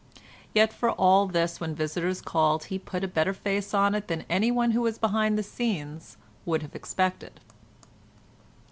Yet for all this when visitors called he put a better face on it than anyone who was behind the scenes would have expected.